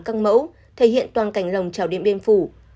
căng mẫu thể hiện toàn cảnh lòng trào điện biên phủ